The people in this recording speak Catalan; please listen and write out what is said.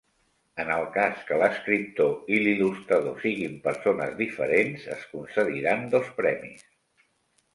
En el cas que l'escriptor i l'il·lustrador siguin persones diferents, es concediran dos premis.